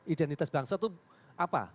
identitas bangsa itu apa